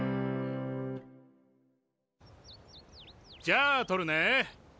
じゃあ撮るね。